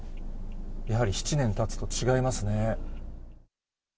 やはり７年たつと違いますね。